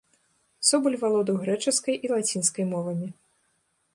Собаль валодаў грэчаскай і лацінскай мовамі.